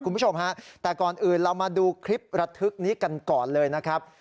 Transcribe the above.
คุณผู้ชมฮะแต่ก่อนอื่นเรามาดูคลิประทึกนี้กันก่อนเลยนะครับ